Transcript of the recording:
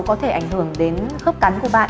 có thể ảnh hưởng đến khớp cắn của bạn